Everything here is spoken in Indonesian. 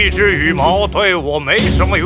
seorang anjing tidak berguna dengan aku